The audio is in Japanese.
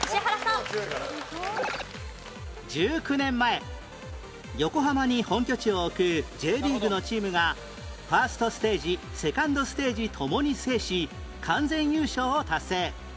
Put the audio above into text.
１９年前横浜に本拠地を置く Ｊ リーグのチームがファーストステージセカンドステージ共に制し完全優勝を達成